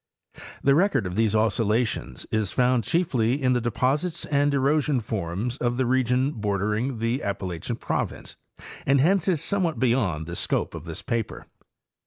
The record of these oscillations is found chiefly in the deposits and erosion forms of the region border ing the Appalachian province, and hence is somewhat beyond the scope of this paper.